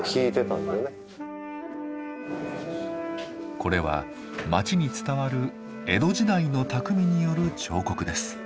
これは町に伝わる江戸時代の匠による彫刻です。